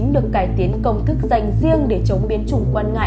được cải tiến công thức dành riêng để chống biến chủng quan ngại